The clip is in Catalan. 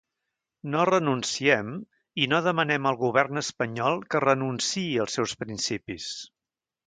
No renunciem i no demanem al govern espanyol que renunciï als seus principis.